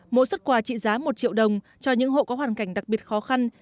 mỗi xuất quà trị giá một triệu đồng cho những hộ có hoàn cảnh đặc biệt khó khăn